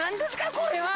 これは！？